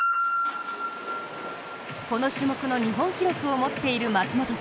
この種目の日本記録を持っている松元。